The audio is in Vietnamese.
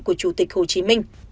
của chủ tịch hồ chí minh